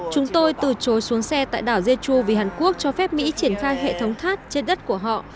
chúng tôi từ chối xuống xe tại đảo jetu vì hàn quốc cho phép mỹ triển khai hệ thống thoát trên đất của họ